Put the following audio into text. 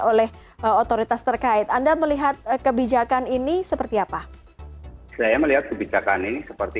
oleh otoritas terkait anda melihat kebijakan ini seperti apa saya melihat kebijakan ini seperti